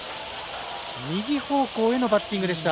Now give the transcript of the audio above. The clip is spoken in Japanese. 右方向へのバッティングでした。